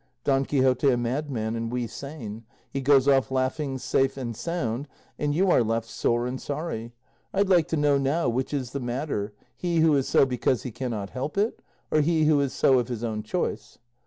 Don Quixote a madman, and we sane; he goes off laughing, safe, and sound, and you are left sore and sorry! I'd like to know now which is the madder, he who is so because he cannot help it, or he who is so of his own choice?"